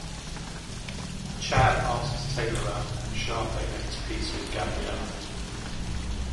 Chad asks Taylor out, and Sharpay makes peace with Gabriella.